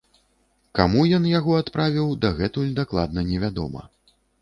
Каму ён яго адправіў, дагэтуль дакладна невядома.